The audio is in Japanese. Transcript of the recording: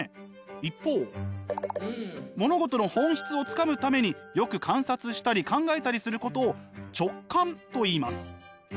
一方物事の本質をつかむためによく観察したり考えたりすることを直観といいます。